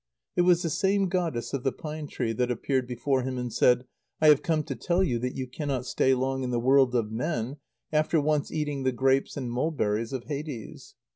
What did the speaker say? It was the same goddess of the pine tree, that appeared before him and said: "I have come to tell you that you cannot stay long in the world of men after once eating the grapes and mulberries of Hades.